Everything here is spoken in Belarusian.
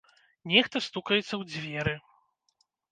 Нехта стукаецца ў дзверы.